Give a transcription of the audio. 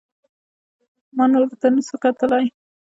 ما نور ورته نسو کتلاى.